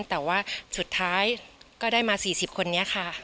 แต่ว่าสุดท้ายก็ได้มา๔๐คนนี้ค่ะ